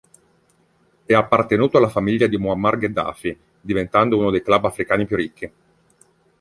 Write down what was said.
È appartenuto alla famiglia di Mu'ammar Gheddafi, diventando uno dei club africani più ricchi.